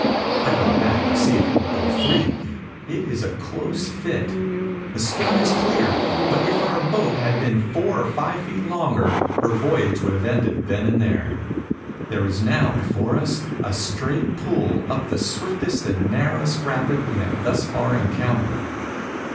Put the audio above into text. I run back to see if it will go free. It is a close fit. The stern is clear; but if our boat had been four or five feet longer, her voyage would have ended then and there. There is now before us a straight pull up the swiftest and narrowest rapid we have thus far encountered.